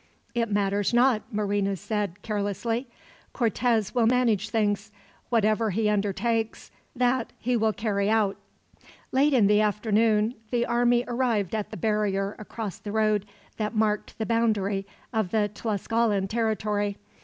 "It matters not," Marina said, carelessly. "Cortez will manage things. Whatever he undertakes, that he will carry out." Late in the afternoon, the army arrived at the barrier across the road that marked the boundary of the Tlascalan territory.